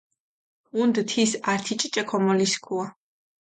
ჸუნდჷ თის ართი ჭიჭე ქომოლისქუა.